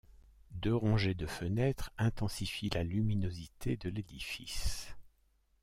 Deux rangées de fenêtres intensifient la luminosité de l'édifice.